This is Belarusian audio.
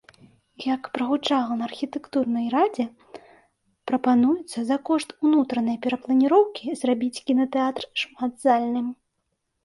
Як прагучала на архітэктурнай радзе, прапануецца за кошт унутранай перапланіроўкі зрабіць кінатэатр шматзальным.